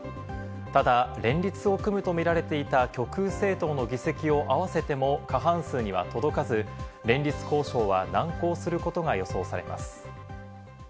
ただ連立を組むと見られていた極右政党の議席を合わせても過半数には届かず、連立交渉は難航することが予想されます。